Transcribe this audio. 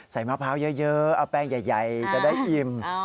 มะพร้าวเยอะเอาแป้งใหญ่จะได้อิ่ม